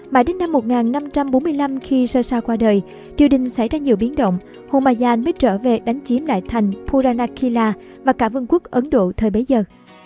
mãi đến năm một nghìn năm trăm bốn mươi năm khi sơ xa qua đời triều đình xảy ra nhiều biến động humaya mới trở về đánh chiếm lại thành furanakila và cả vương quốc ấn độ thời bấy giờ